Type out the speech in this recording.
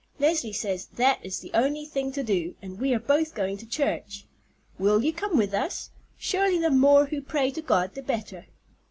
Leslie says that is the only thing to do, and we are both going to church. Will you come with us? Surely the more who pray to God the better."